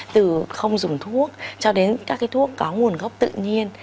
từ không dùng thuốc cho đến các cái thuốc có nguồn gốc tự nhiên